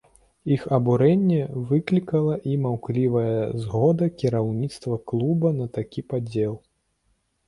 Іх абурэнне выклікала і маўклівая згода кіраўніцтва клуба на такі падзел.